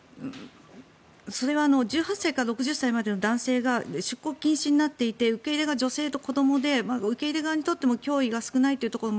それが１８歳から６０歳までの男性が出国禁止になっていて受け入れが女性と子どもで受け入れ側にとっても脅威が少ないということも